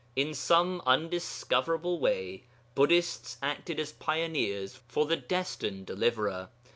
In some undiscoverable way Buddhists acted as pioneers for the destined Deliverer.